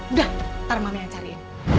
udah ntar mama yang cariin